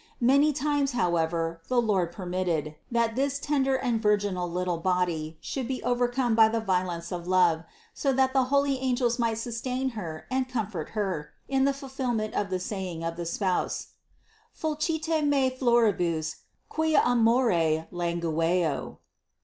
Many times however, the Lord permitted, that this tender and virginal little body should be overcome by the violence of love, so that the holy angels might sustain Her and comfort Her in the fulfillment of the saying of the Spouse : "Fulcite me floribus, quia amore langueo."